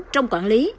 trong quản lý